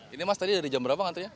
ini mas tadi dari jam berapa ngantrinya